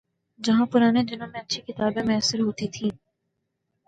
جہاں پرانے دنوں میں اچھی کتابیں میسر ہوتی تھیں۔